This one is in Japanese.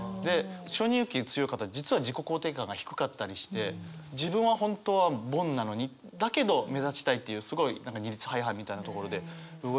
承認欲求強い方実は自己肯定感が低かったりして自分は本当は凡なのにだけど目立ちたいっていうすごい二律背反みたいなところで動いてるので。